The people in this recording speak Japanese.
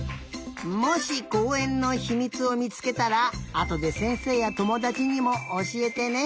もしこうえんのひみつをみつけたらあとでせんせいやともだちにもおしえてね。